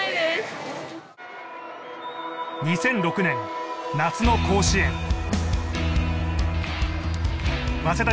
２００６年夏の甲子園早稲田